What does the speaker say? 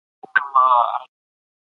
په قصاص کي ژوند نغښتی دی.